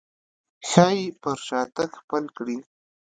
ښايي پر شا تګ خپل کړي.